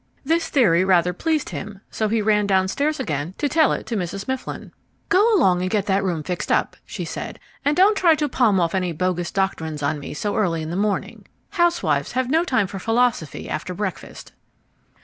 This theory rather pleased him, so he ran downstairs again to tell it to Mrs. Mifflin. "Go along and get that room fixed up," she said, "and don't try to palm off any bogus doctrines on me so early in the morning. Housewives have no time for philosophy after breakfast."